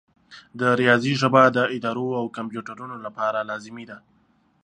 د ریاضي ژبه د ادارو او کمپیوټرونو لپاره لازمي ده.